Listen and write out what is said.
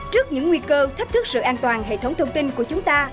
trước những nguy cơ thách thức sự an toàn hệ thống thông tin của chúng ta